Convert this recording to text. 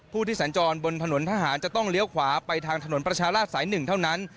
ผู้ที่สัญจรบนถนนทหารจะต้องเลี้ยวขวาไปทางถนนประชาราชสาย๑เท่านั้น